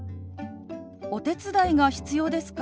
「お手伝いが必要ですか？」。